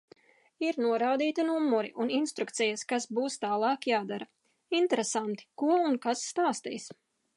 Ir norādīti numuri un instrukcijas, kas būs tālāk jādara. Interesanti, ko un kas stāstīs.